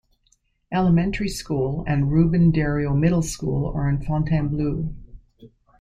Elementary School, and Ruben Dario Middle School are in Fontainebleau.